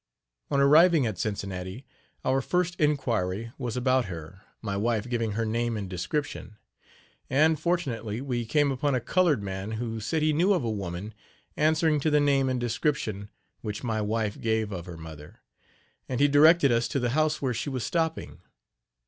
On arriving at Cincinnati, our first inquiry was about her, my wife giving her name and description; and, fortunately, we came upon a colored man who said he knew of a woman answering to the name and description which my wife gave of her mother, and he directed us to the house where she was stopping.